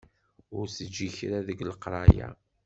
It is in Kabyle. Ur teǧǧi kra deg leqraya.